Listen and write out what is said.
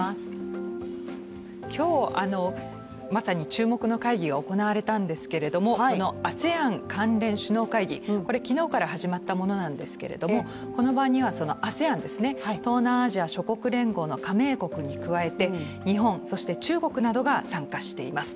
今日、まさに注目の会議が行われたんですけどこのＡＳＥＡＮ関連首脳会議、昨日から始まったものなんですけれども、この場にはＡＳＥＡＮ＝東南アジア諸国連合の加盟国に加え日本、そして中国などが参加しています。